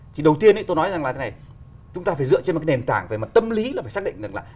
thì đầu tiên tôi nói rằng là thế này chúng ta phải dựa trên một cái nền tảng về mặt tâm lý là phải xác định được là